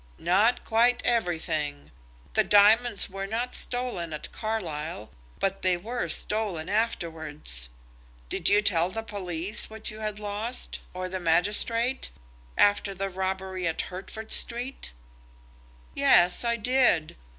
"Not quite everything. The diamonds were not stolen at Carlisle, but they were stolen afterwards. Did you tell the police what you had lost, or the magistrate, after the robbery in Hertford Street?" "Yes; I did.